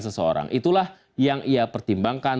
seseorang itulah yang ia pertimbangkan